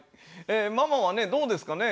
ママはねどうですかね